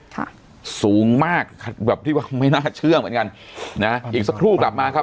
ค่ะสูงมากแบบที่ว่าไม่น่าเชื่อเหมือนกันนะอีกสักครู่กลับมาครับ